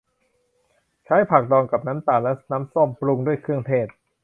ใช้ผักดองกับน้ำตาลและน้ำส้ม ปรุงด้วยเครื่องเทศ